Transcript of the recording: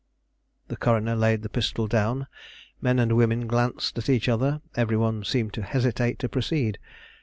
The coroner laid the pistol down; men and women glanced at each other; every one seemed to hesitate to proceed.